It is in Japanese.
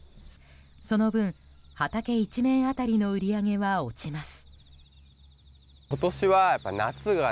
その分、畑一面当たりの売り上げは落ちます。